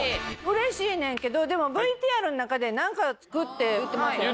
嬉しいねんけどでもＶＴＲの中でなんか付くって言ってましたよね